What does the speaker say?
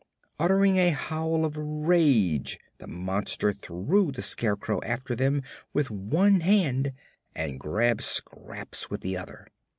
Uttering a howl of rage the monster threw the Scarecrow after them with one hand and grabbed Scraps with the other.